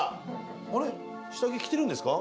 あれっ下着着てるんですか？